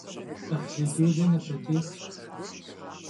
'ıhlı dêle napetêxş.